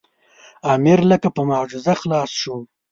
امیر لکه په معجزه خلاص شو.